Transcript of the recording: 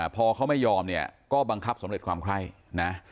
พอเขาไม่ยอมเนี่ยก็บังคับสำเร็จความไคร่นะ